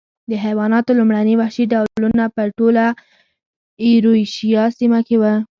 د حیواناتو لومړني وحشي ډولونه په ټوله ایرویشیا سیمه کې و.